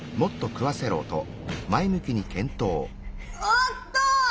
おっと！